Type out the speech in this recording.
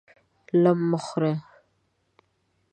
لم مه خورئ!